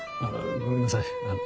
ごめんなさい。